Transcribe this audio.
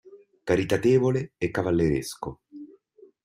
Caritatevole e cavalleresco.